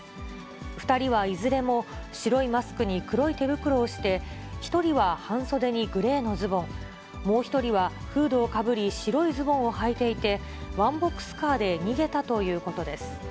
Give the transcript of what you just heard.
２人はいずれも白いマスクに黒い手袋をして、１人は半袖にグレーのズボン、もう１人はフードをかぶり、白いズボンをはいていて、ワンボックスカーで逃げたということです。